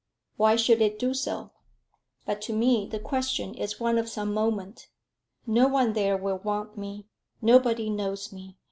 Why should it do so? But to me the question is one of some moment. No one there will want me; nobody knows me.